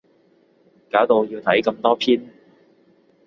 搞到要睇咁多篇